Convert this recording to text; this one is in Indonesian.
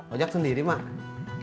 ojak sendiri mak